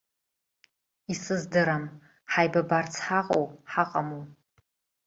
Исыздырам ҳаибабарц ҳаҟоу, ҳаҟаму!